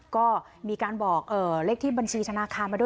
ก็มีการบอกเลขที่บัญชีธนาคารมาด้วย